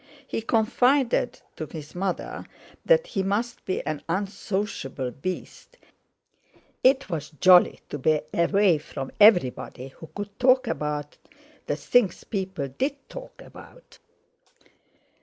He confided to his mother that he must be an unsociable beast—it was jolly to be away from everybody who could talk about the things people did talk about.